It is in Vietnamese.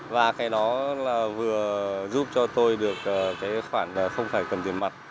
và cái đó là vừa giúp cho tôi được cái khoản không phải cầm tiền mặt